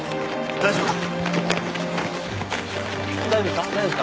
大丈夫ですか？